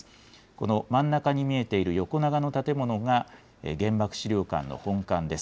この真ん中に見えている横長の建物が、原爆資料館の本館です。